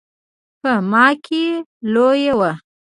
په ما کې لوی و.